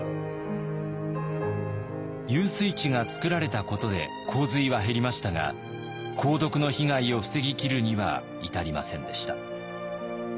遊水池が作られたことで洪水は減りましたが鉱毒の被害を防ぎきるには至りませんでした。